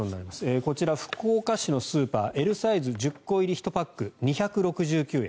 こちら、福岡市のスーパーＬサイズ１０個入り１パック２６９円